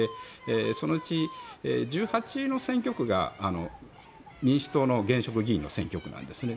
そのうち１８の選挙区が民主党の現職議員の選挙区なんですね。